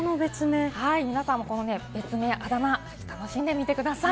皆さんもこの別名、あだな、楽しんでみてください。